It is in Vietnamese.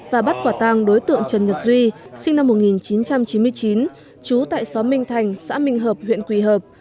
và bắt quả tang đối tượng trần nhật duy sinh năm một nghìn chín trăm chín mươi chín trú tại xóm minh thành xã minh hợp huyện quỳ hợp